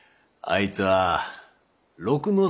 あいつはな